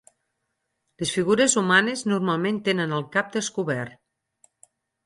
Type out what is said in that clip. Les figures humanes normalment tenen el cap descobert.